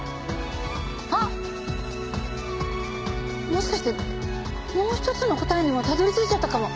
もしかしてもう一つの答えにもたどり着いちゃったかも。